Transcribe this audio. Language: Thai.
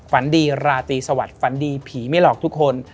ฝันดีราตรีสวัสดิฝันดีผีไม่หลอกทุกคน